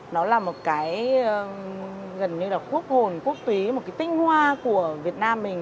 nó là một cái gần như là khuốc hồn khuốc túy một cái tinh hoa của việt nam mình